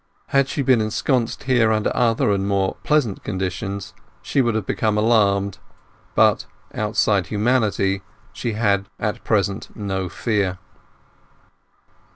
Had she been ensconced here under other and more pleasant conditions she would have become alarmed; but, outside humanity, she had at present no fear.